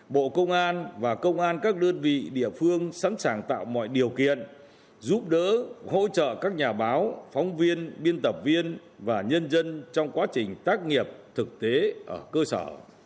bộ công an và công an các đơn vị địa phương sẵn sàng tạo mọi điều kiện giúp đỡ hỗ trợ các nhà báo phóng viên biên tập viên và nhân dân trong quá trình tác nghiệp thực tế ở cơ sở